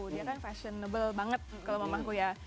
dia kan fashionable banget kalau mama aku ya